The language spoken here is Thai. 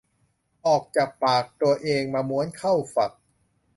ออกจากปากตัวเองมาม้วนเข้าฝัก